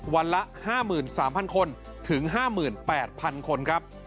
วันละ๕๓๐๐คนถึง๕๘๐๐๐คนครับ